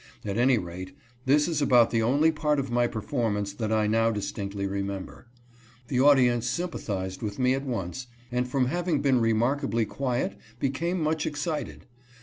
At any rate, this is about the only part of my performance that I now distinctly remember. The audience sympathized with me at once, and from having (266) ATTENDS AN ANTI SLAVERY MEETING. 267 been remarkably quiet, became much excited.